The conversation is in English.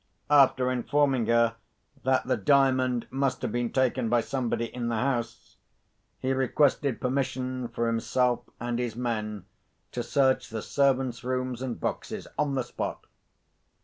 After informing her that the Diamond must have been taken by somebody in the house, he requested permission for himself and his men to search the servants' rooms and boxes on the spot.